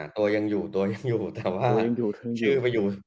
ตัวยังตอยังอยู่